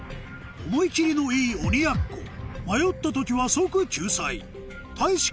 思い切りのいい鬼奴迷った時は即救済たいし